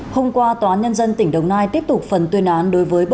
hôm qua tòa án nhân dân tỉnh đồng nai tiếp tục phần tuyên án đối với bảy mươi bốn bị cáo